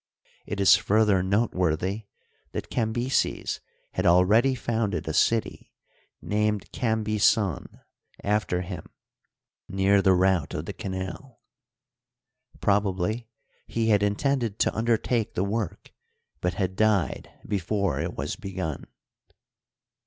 It is further note worthy that Cambyses had already founded a city, named Camiyson, after him, near the route qi the canal. Prob ably he had intended to undertake the work, but had died before it was begun.